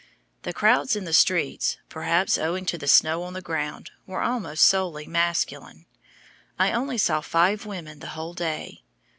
The crowds in the streets, perhaps owing to the snow on the ground, were almost solely masculine. I only saw five women the whole day.